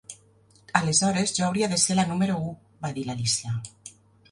"Aleshores jo hauria de ser la número u", va dir l'Alícia.